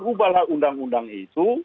rubahlah undang undang itu